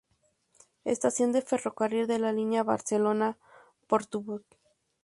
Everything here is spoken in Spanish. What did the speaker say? Estación de ferrocarril de la línea Barcelona-Portbou.